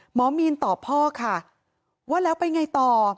หมอมีนตอบพ่อค่ะว่าแล้วไปไงต่อ